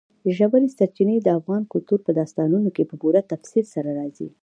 ژورې سرچینې د افغان کلتور په داستانونو کې په پوره تفصیل سره راځي.